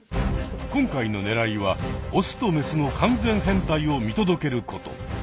今回のねらいはオスとメスの完全変態を見届けること。